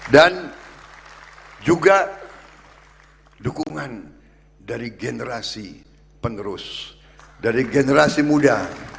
dan juga dukungan dari generasi penerus dari generasi muda